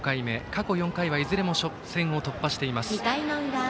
過去４回は、いずれも初戦を突破しています。